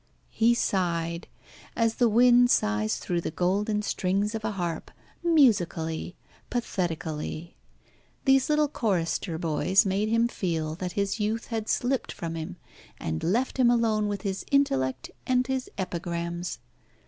He sighed, as the wind sighs through the golden strings of a harp, musically, pathetically. These little chorister boys made him feel that his youth had slipped from him, and left him alone with his intellect and his epigrams.